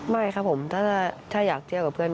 ไม่ครับผมถ้าอยากเที่ยวกับเพื่อน